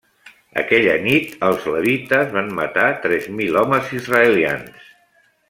Aquella nit, els levites van matar tres mil homes israelians.